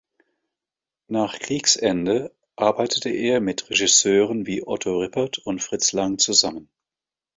Nach Kriegsende arbeitete er mit Regisseuren wie Otto Rippert und Fritz Lang zusammen.